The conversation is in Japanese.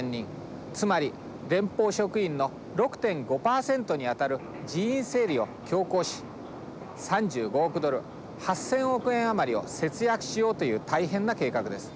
つまり連邦職員の６．５％にあたる人員整理を強行し３５億ドル８，０００億円余りを節約しようという大変な計画です。